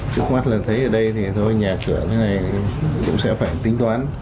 trước mắt lần thấy ở đây thì thôi nhà trưởng như thế này cũng sẽ phải tính toán